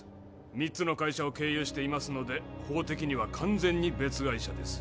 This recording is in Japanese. ３つの会社を経由していますので法的には完全に別会社です。